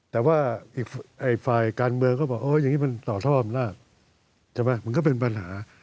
แต่ว่าอีกฝ่ายการเมืองก็บอกอย่างนี้มันต่อท่ออำนาจใช่ไหมมันก็เป็นปัญหา